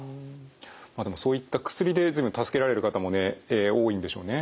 まあでもそういった薬で随分助けられる方もね多いんでしょうね。